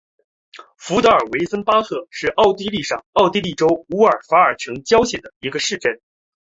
福德尔魏森巴赫是奥地利上奥地利州乌尔法尔城郊县的一个市镇。